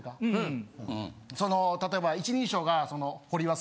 例えば一人称が。